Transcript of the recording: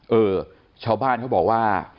เออชาวบ้านเขาบอกว่า